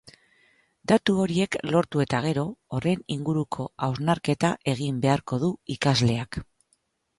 Datu horiek lortu eta gero, horren inguruko hausnarketa egin beharko du ikasleak.